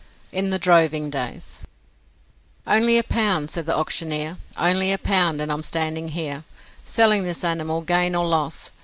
In the Droving Days 'Only a pound,' said the auctioneer, 'Only a pound; and I'm standing here Selling this animal, gain or loss.